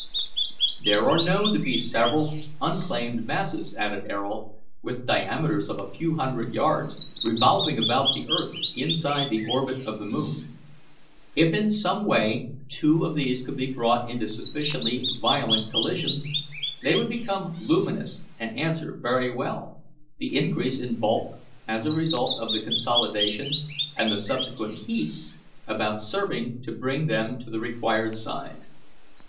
"There are known to be several unclaimed masses," added Ayrault, "with diameters of a few hundred yards, revolving about the earth inside the orbit of the moon. If in some way two of these could be brought into sufficiently violent collision, they would become luminous and answer very well; the increase in bulk as a result of the consolidation, and the subsequent heat, about serving to bring them to the required size.